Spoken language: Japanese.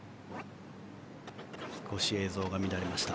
少し映像が乱れました。